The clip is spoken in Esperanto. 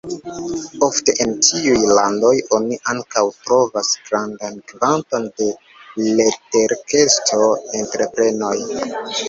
Ofte en tiuj landoj oni ankaŭ trovas grandan kvanton de leterkesto-entreprenoj.